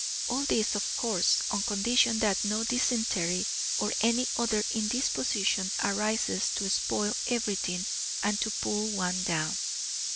All this, of course, on condition that no dysentery or any other indisposition arises to spoil everything and to pull one down.